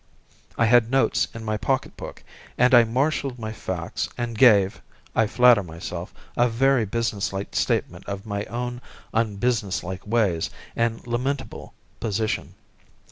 I had notes in my pocket book, and I marshalled my facts, and gave, I flatter myself, a very businesslike statement of my own unbusinesslike ways and lamentable position.